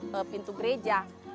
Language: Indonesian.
saya masuk pintu gereja